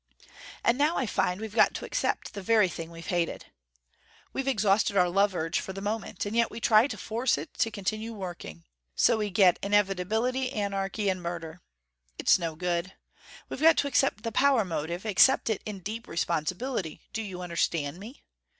And now I find we've got to accept the very thing we've hated. "We've exhausted our love urge, for the moment. And yet we try to force it to continue working. So we get inevitably anarchy and murder. It's no good. We've got to accept the power motive, accept it in deep responsibility, do you understand me?